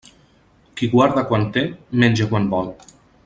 Qui guarda quan té, menja quan vol.